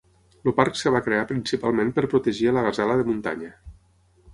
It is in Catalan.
El parc es va crear principalment per protegir a la gasela de muntanya.